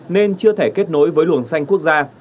nên chưa thể kết nối với luồng xanh quốc gia